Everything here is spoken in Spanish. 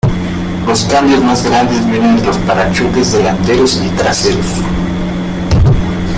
Los cambios más grandes vienen de los parachoques delanteros y traseros.